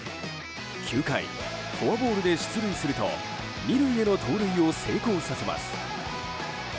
９回、フォアボールで出塁すると２塁への盗塁を成功させます。